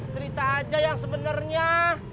cerita aja yang sebenernya